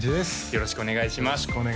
よろしくお願いします